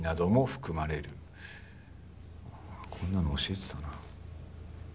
こんなの教えてたな。